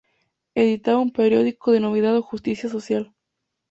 Editaba un periódico, denominado "Justícia Social".